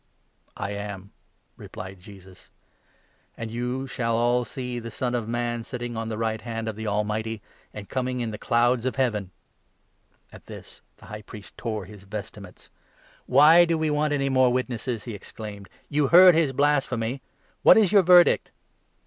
"I am," replied Jesus, "and you shall all see the Son of Man sitting on the right hand of the Almighty ; and ' coming in the clouds of heaven'." At this the High Priest tore his vestments. "Why do we want any more witnesses?" he exclaimed. "You heard his blasphemy ? What is your verdict